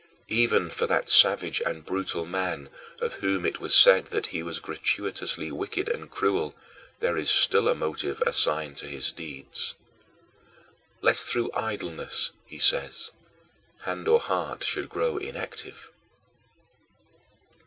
Even for that savage and brutal man [Catiline], of whom it was said that he was gratuitously wicked and cruel, there is still a motive assigned to his deeds. "Lest through idleness," he says, "hand or heart should grow inactive."